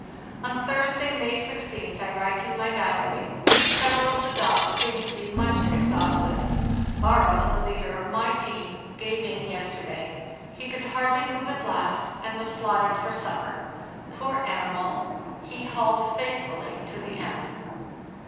On Thursday, May 16th, I write in my diary: "Several of the dogs seem to be much exhausted. ' Baro' (the leader of my team) gave in yesterday. He could hardly move at last, and was slaughtered for supper. Poor animal. He hauled faithfully to the end.